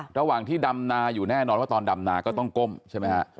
ระหว่างที่ดำนาอยู่แน่นอนว่าตอนดำนาก็ต้องก้มใช่ไหมฮะ